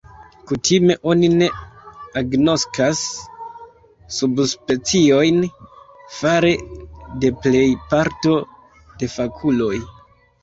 Kutime oni ne agnoskas subspeciojn fare de plej parto de fakuloj.